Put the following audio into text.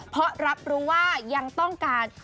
เพราะรับรู้ว่ายังต้องการ